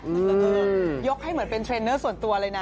ยกให้เหมือนเป็นเทรนเนอร์ส่วนตัวเลยนะ